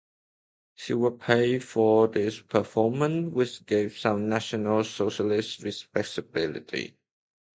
She was paid for this performance which gave some National Socialist respectability.